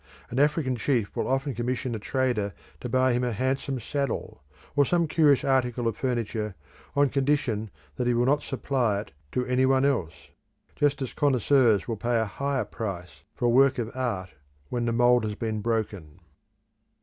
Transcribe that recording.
An African chief will often commission a trader to buy him a handsome saddle, or some curious article of furniture, on condition that he will not supply it to any one else, just as connoisseurs will pay a higher price for a work of art when the mould has been broken.